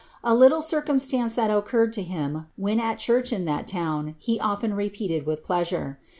A little cii^ rumstance that occurred to him when at church in that town he often repeated with pleasure.